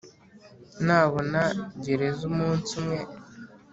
nabona gereza umunsi umwe?